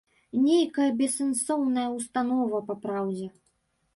Нейкая бессэнсоўная ўстанова, папраўдзе.